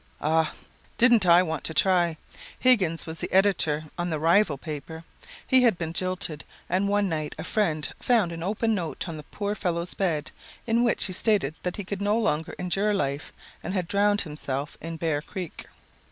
Ah, didn't I want to try! Higgins was the editor on the rival paper. He had been jilted, and one night a friend found an open note on the poor fellow's bed, in which he stated that he could no longer endure life and had drowned himself in Bear Creek.